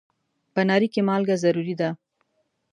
په ناري کې مالګه ضروري ده.